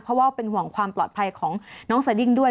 เพราะว่าเป็นห่วงความปลอดภัยของน้องสดิ้งด้วย